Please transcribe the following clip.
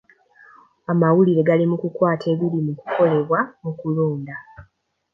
Amawulire gali mu kukwata ebiri mu kukolebwa mu kulonda.